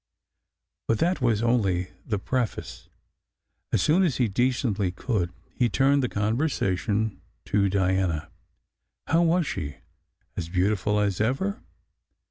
But that was only the preface. As soon as he decently could, he turned the conversation to Diana. How was she? As beautiful as ever?